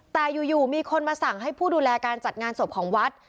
แต่อยู่มีคนมาสั่งให้ผู้ดูแลการจัดงานศพของวัด